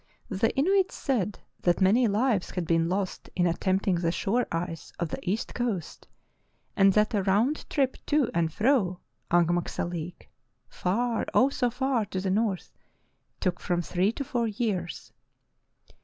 The Inuits said that many lives had been lost in at tempting the shore ice of the east coast, and that a round trip to and from Angmagsalik — "Far, oh! so far to the north!" — took from three to four years.